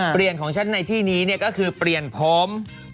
ของฉันในที่นี้ก็คือเปลี่ยนผม